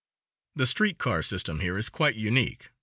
The street car system here is quite unique.